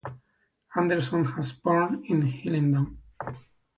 Anderson was born in Hillingdon.